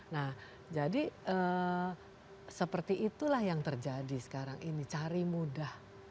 nah jadi seperti itulah yang terjadi sekarang ini cari mudah